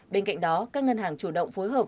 bên cạnh đó các ngân hàng chủ động phối hợp